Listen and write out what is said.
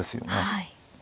はい。